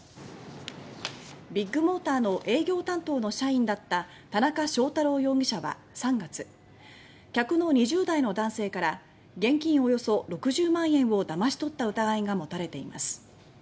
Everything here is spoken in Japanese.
ビッグモーターの営業担当の社員だった田中祥太朗容疑者は３月客の２０代の男性から現金およそ６０万円をだまし取った疑いが持たれています。